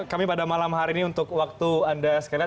kami pada malam hari ini untuk waktu anda sekalian